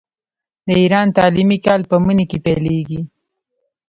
د ایران تعلیمي کال په مني کې پیلیږي.